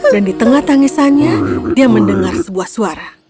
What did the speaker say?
dan di tengah tangisannya dia mendengar sebuah suara